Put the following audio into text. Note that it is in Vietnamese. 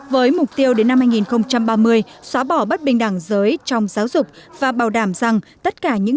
với mục tiêu đến năm hai nghìn ba mươi xóa bỏ bất bình đẳng giới trong giáo dục và bảo đảm rằng tất cả những